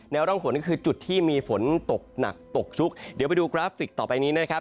ร่องฝนก็คือจุดที่มีฝนตกหนักตกชุกเดี๋ยวไปดูกราฟิกต่อไปนี้นะครับ